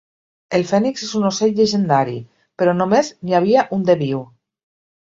El fènix és un ocell llegendari, però només n'hi havia un de viu.